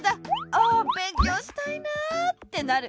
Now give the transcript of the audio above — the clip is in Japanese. あべんきょうしたいなあ」ってなる。